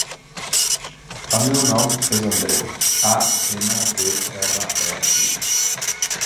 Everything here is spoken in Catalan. El meu nom és Andreu: a, ena, de, erra, e, u.